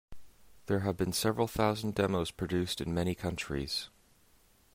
There have been several thousand demos produced in many countries.